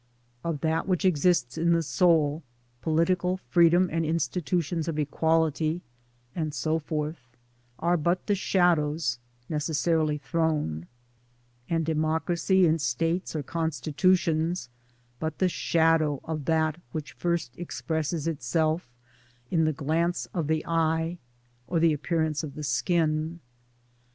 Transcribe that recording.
Of that which exists in the Soul, political freedom and institutions of equality, and so forth, are but the shadows (necessarily thrown) ; and Democracy in States or Constitu tions but the shadow of that which first expresses itself in the glance of the eye or the appearance of the skin.